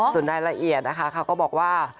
ส่วนรายละเอียดนะคะเขาก็บอกว่า